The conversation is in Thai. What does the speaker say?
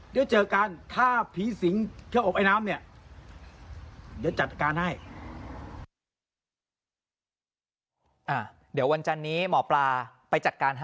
เดี๋ยวเจอกันถ้าผีสิงห์เคื้อกอบอายน้ำ